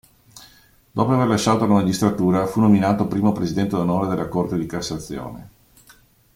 Dopo aver lasciato la magistratura fu nominato Primo Presidente d'onore della Corte di Cassazione.